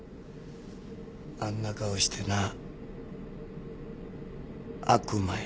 あんな顔してな悪魔や。